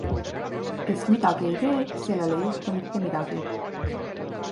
Kes midagi ei tee, sellel ei juhtu mitte midagi.